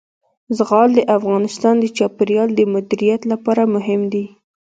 زغال د افغانستان د چاپیریال د مدیریت لپاره مهم دي.